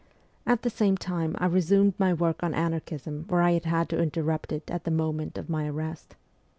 At the same time I resumed my work on anarchism where I had had to interrupt it at the moment of my arrest.